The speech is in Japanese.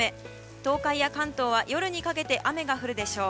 東海や関東は夜にかけて雨が降るでしょう。